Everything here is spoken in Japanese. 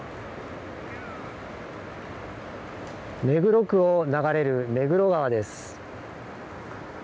目黒区を流れる目黒川です。